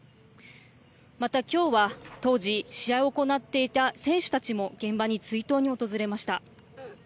また、今日は当時試合を行っていた選手たちも現場に追悼に訪れました。